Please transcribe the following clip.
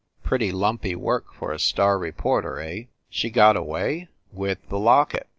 Pretty lumpy work for a star reporter, eh?" "She got away?" "With the locket!"